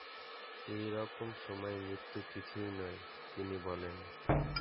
এইরকম সময়ে মৃত্যু কিছুই নয়, তিনি বলেন।